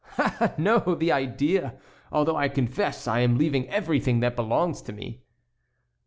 "Ah, no! the idea! Although I confess I am leaving everything that belongs to me."